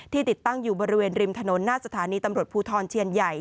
ติดตั้งอยู่บริเวณริมถนนหน้าสถานีตำรวจภูทรเชียนใหญ่